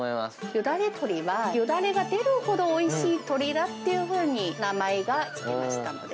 よだれ鶏は、よだれが出るほどおいしい鶏だっていうふうに、名前が付きましたので。